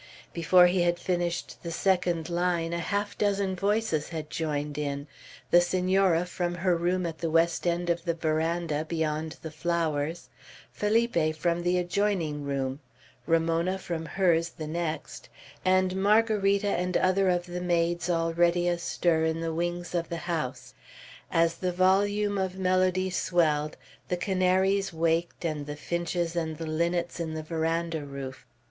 Before he had finished the second line, a half dozen voices had joined in, the Senora, from her room at the west end of the veranda, beyond the flowers; Felipe, from the adjoining room; Ramona, from hers, the next; and Margarita and other of the maids already astir in the wings of the house. As the volume of melody swelled, the canaries waked, and the finches and the linnets in the veranda roof.